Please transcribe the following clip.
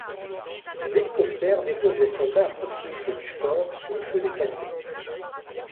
Les hélicoptères déposent les soldats à proximité du fort sous le feu des Taliban.